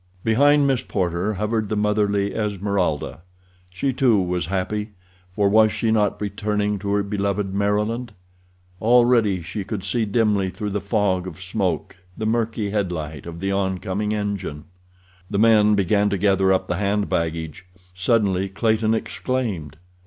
Behind Miss Porter hovered the motherly Esmeralda. She, too, was happy, for was she not returning to her beloved Maryland? Already she could see dimly through the fog of smoke the murky headlight of the oncoming engine. The men began to gather up the hand baggage. Suddenly Clayton exclaimed.